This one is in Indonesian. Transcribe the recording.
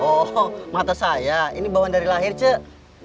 oh mata saya ini bauan dari lahir cek